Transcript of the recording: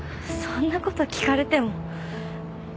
そんなこと聞かれても。